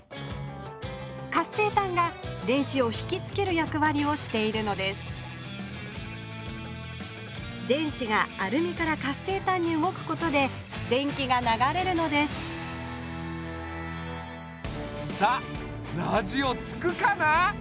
活性炭が電子をひきつけるやくわりをしているのです電子がアルミから活性炭に動くことで電気が流れるのですさあラジオつくかな？